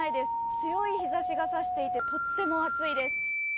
強い日ざしが差していて、とっても暑いです。